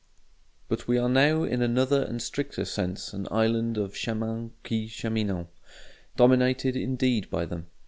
But we are now in another and stricter sense an island of chemins qui cheminent: dominated, indeed, by them.